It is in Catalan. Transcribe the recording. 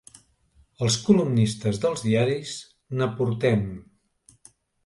Els columnistes dels diaris n'aportem.